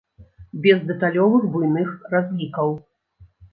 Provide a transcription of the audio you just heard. Без дэталёвых буйных разлікаў.